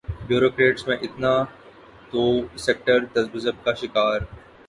bureaucrats میں تنا auto sector تذبذب کا شکار